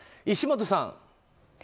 石本さん。